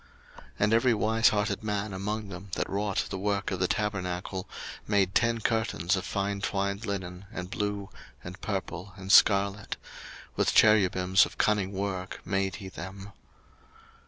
02:036:008 And every wise hearted man among them that wrought the work of the tabernacle made ten curtains of fine twined linen, and blue, and purple, and scarlet: with cherubims of cunning work made he them.